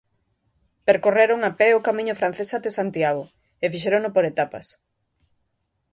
Percorreron a pé o camiño francés até Santiago, e fixérono por etapas.